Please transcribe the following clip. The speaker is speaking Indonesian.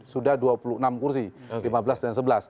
sudah dua puluh enam kursi lima belas dan sebelas